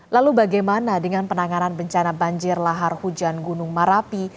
lalu bagaimana dengan penanganan bencana banjir lahar hujan gunung merapi